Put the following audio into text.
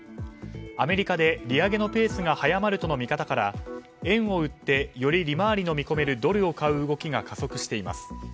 アメリカで利上げのペースが早まるとの見方から円を売ってより利回りの見込めるドルを買う動きが加速しています。